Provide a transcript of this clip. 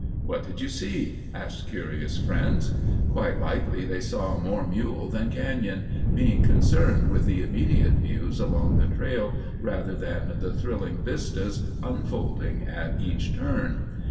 "What did you see?" asked curious friends. Quite likely they saw more mule than cañon, being concerned with the immediate views along the trail rather than the thrilling vistas unfolding at each turn.